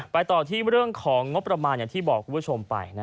ต่อที่เรื่องของงบประมาณอย่างที่บอกคุณผู้ชมไป